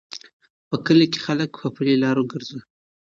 په کلي کې خلک په پلي لارو ګرځي.